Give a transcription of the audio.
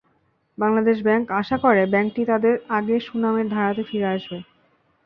Bangladesh bank আশা করে, ব্যাংকটি তাদের আগের সুনামের ধারাতে ফিরে আসবে।